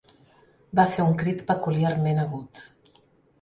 Va fer un crit peculiarment agut.